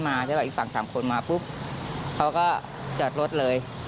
มีการฆ่ากันห้วย